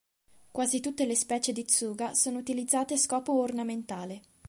Quasi tutte le specie di "Tsuga" sono utilizzate a scopo ornamentale.